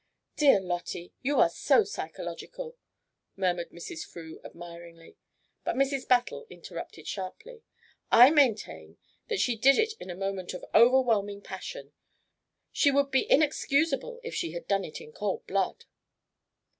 "Dear Lottie, you are so psychological," murmured Mrs. Frew admiringly; but Mrs. Battle interrupted sharply: "I maintain that she did it in a moment of overwhelming passion. She would be inexcusable if she had done it in cold blood."